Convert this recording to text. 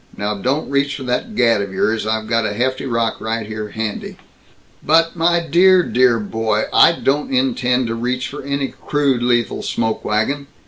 Now don't reach for that gat of yours. I've got a hefty rock right here handy." "But, my dear, dear boy, I don't intend to reach for any crude lethal smoke wagon.